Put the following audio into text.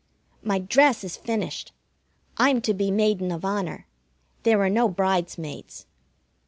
My dress is finished. I'm to be Maiden of Honor. There are no bridesmaids.